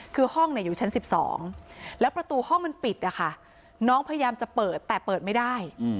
คือห้องอยู่ชั้น๑๒แล้วประตูห้องมันปิดนะคะน้องพยายามจะเปิดแต่เปิดไม่ได้